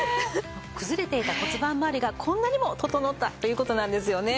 崩れていた骨盤まわりがこんなにも整ったという事なんですよね。